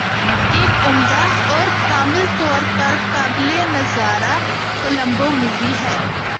ایک عمدہ اور کامل طور پر قابل نظارہ کولمبو مووی ہے